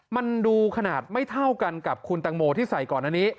มันดูขนาดไม่เท่ากันกับคุณตังโมที่ใส่ก่อนอันนี้